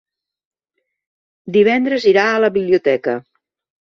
Divendres irà a la biblioteca.